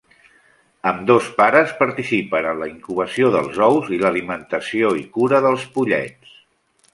Ambdós pares participen en la incubació dels ous i l'alimentació i cura dels pollets.